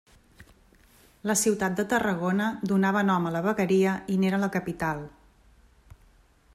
La ciutat de Tarragona donava nom a la vegueria i n'era la capital.